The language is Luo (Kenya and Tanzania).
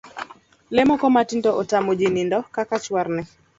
Lee moko matindo otamo jii nindo kaka chwarni